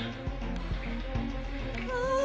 ああ！？